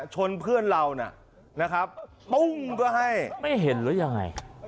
ชนเพื่อนเรานะครับปุ้งก็ให้ไม่เห็นหรือยังไง